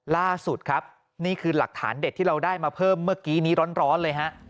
ล่าสุดครับนี่คือหลักฐานเด็ดที่เราได้มาเพิ่มเมื่อกี้นี้ร้อนเลยฮะ